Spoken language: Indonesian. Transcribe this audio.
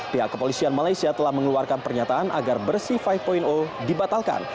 pihak kepolisian malaysia telah mengeluarkan pernyataan agar bersih lima dibatalkan